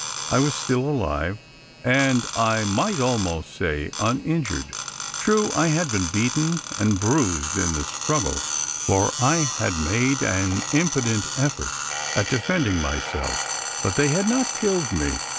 I was still alive; and I might almost say uninjured. True I had been beaten and bruised in the struggle for I had made an impotent effort at defending myself but they had not killed me.